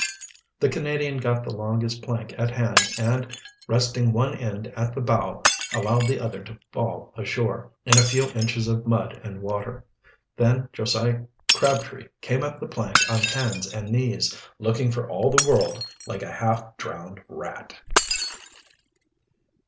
The Canadian got the longest plank at hand and, resting one end at the bow, allowed the other to fall ashore, in a few inches of mud and water. Then Josiah Crabtree came up the plank on hands and knees, looking for all the world like a half drowned rat.